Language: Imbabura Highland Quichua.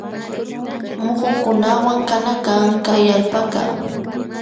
Mukunkunawan kana kan kay allpaka